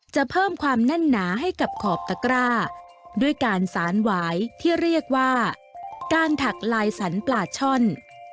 เพิ่มความแน่นหนาให้กับขอบตะกร้าด้วยการสารหวายที่เรียกว่าการถักลายสันปลาช่อน